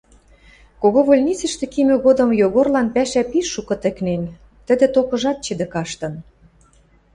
Когой больницӹштӹ кимӹ годым Йогорлан пӓшӓ пиш шукы тӹкнен, тӹдӹ токыжат чӹдӹ каштын.